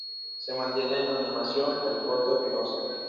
Se mantiene en la animación, el "Coto" Espinoza.